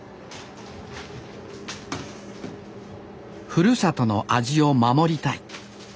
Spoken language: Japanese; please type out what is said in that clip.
ふるさとの味を守りたい。